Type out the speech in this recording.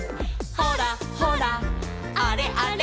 「ほらほらあれあれ」